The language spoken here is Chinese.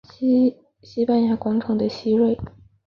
西班牙广场的西端。